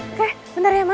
oke bentar ya ma